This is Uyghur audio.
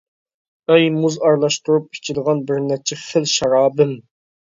ئەي مۇز ئارىلاشتۇرۇپ ئىچىدىغان بىرنەچچە خىل شارابىم!